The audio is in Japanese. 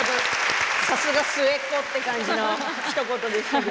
さすが末っ子という感じのひと言でしたね。